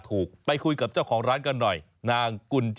ดูดูสัมภาษณ์ของคุณค่ะ